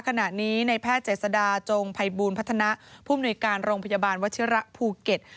ขณะนี้ในแพทย์เจษดาจงภัยบูลพัฒนาผู้มนุยการโรงพยาบาลวัชิระภูเก็ต